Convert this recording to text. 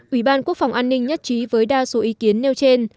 ủy ban quốc phòng an ninh nhất trí với đa số ý kiến nêu trên